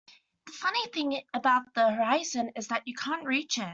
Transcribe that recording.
The funny thing about the horizon is that you can't reach it.